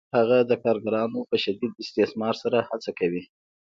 هغه د کارګرانو په شدید استثمار سره هڅه کوي